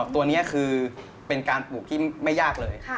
ตัวนี้คือเป็นการปลูกที่ไม่ยากเลย